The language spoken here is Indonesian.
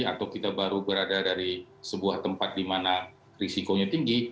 atau kita baru berada dari sebuah tempat di mana risikonya tinggi